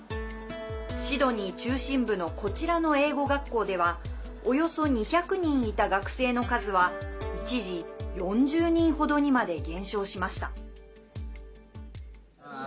シドニー中心部のこちらの英語学校ではおよそ２００人いた学生の数は一時、４０人ほどにまで減少しました。